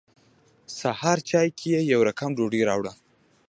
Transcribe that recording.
سهار چای کې یې يو رقم ډوډۍ راوړه.